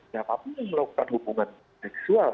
siapapun yang melakukan hubungan seksual